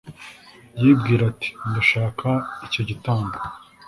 Yibwira ati Ndashaka icyo gitabo